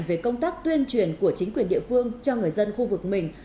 về công tác tuyên truyền của chính quyền địa phương cho người dân khu vực mình